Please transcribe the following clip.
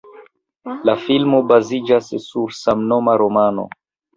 La filmo baziĝas sur samnoma romano.